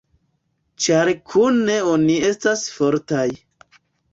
Ĉar kune oni estas fortaj.